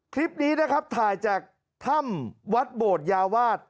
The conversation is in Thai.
คลิปนี้นะครับถ่ายจากถ้ำวัดโบดยาวาส